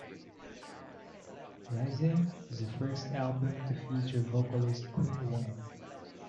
Rising is the first album to feature vocalist Quinn Weng.